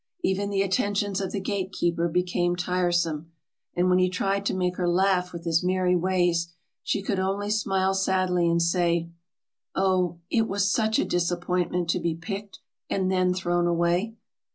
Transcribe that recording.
Even the attentions of the gate keeper became tiresome; and when he tried to make her laugh with his merry ways, she could only smile sadly, and say, "Oh, it was such a disappointment to be picked, and then thrown away."